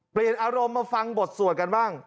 เปลี่ยนอารมณ์มาฟังบทสวดกันบ้าง